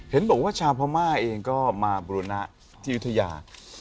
เห็นบอกว่าชาวพม่าเองก็มาบุรณะที่ยุธยา